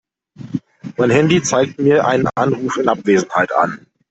Mein Handy zeigt mir einen Anruf in Abwesenheit an.